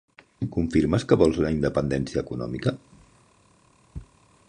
Confirmes que vols la independència econòmica?